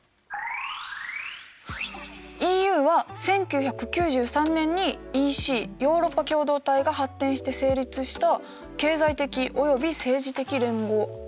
ＥＵは１９９３年にＥＣヨーロッパ共同体が発展して成立した経済的および政治的連合。